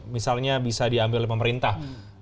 misalnya bisa diambil pemerintah